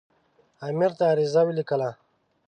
امیر ته عریضه ولیکله.